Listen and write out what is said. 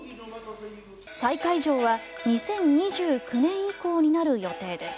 再開場は２０２９年以降になる予定です。